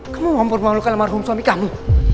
kamu mempermalukan marhum suami kamu